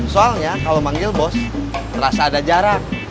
soalnya kalau manggil bos terasa ada jarak